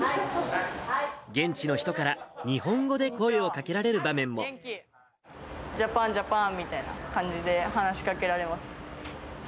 現地の人から、日本語で声をジャパン、ジャパン！みたいな感じで話かけられます。